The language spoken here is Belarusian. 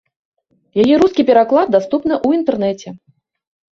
Яе рускі пераклад даступны ў інтэрнэце.